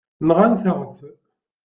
Nɣant-aɣ-tt.